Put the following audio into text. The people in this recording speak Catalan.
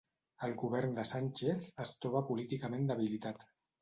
El Govern de Sánchez es troba políticament debilitat